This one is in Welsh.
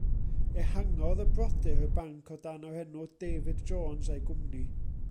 Ehangodd y brodyr y banc o dan yr enw David Jones a'i Gwmni.